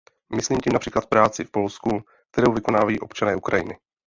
Myslím tím například práci v Polsku, kterou vykonávají občané Ukrajiny.